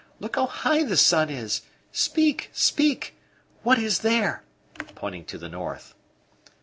Look how high the sun is! Speak, speak! What is there?" pointing to the north.